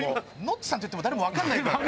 ノッチさんって言っても誰もわかんないから。